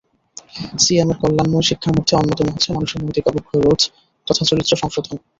সিয়ামের কল্যাণময় শিক্ষার মধ্যে অন্যতম হচ্ছে মানুষের নৈতিক অবক্ষয় রোধ তথা চরিত্র সংশোধন।